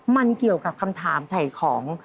มันเกี่ยวกับคำถามถ่ายของ